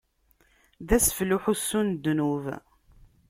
D asfel n uḥussu n ddnub.